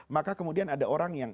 maka kemudian ada orang yang